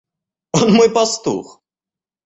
Он мой пастух.